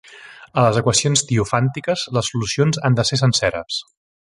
A les equacions diofàntiques, les solucions han de ser senceres.